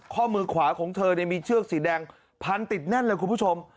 ข้อมือขวาของเธอมีเชือกสีแดงพันติดแน่นเลยคุณผู้ชม